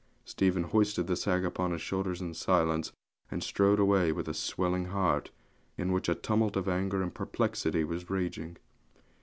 Stephen hoisted the sack upon his shoulders in silence, and strode away with a swelling heart, in which a tumult of anger and perplexity was raging.